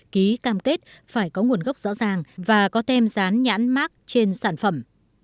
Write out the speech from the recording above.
ký cam kết phải có nguồn gốc rõ ràng và có thêm dán nhãn mark trên sản phẩm